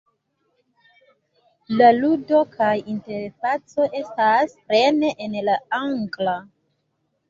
La ludo kaj interfaco estas plene en la Angla.